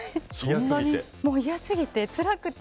嫌すぎて、つらくて。